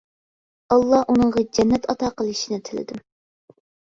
ئاللا ئۇنىڭغا جەننەت ئاتا قىلىشىنى تىلىدىم.